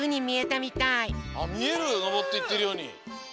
あっみえるのぼっていってるように。